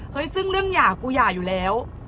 ซึ่งเรื่องหย่ากูหย่าอยู่แล้ว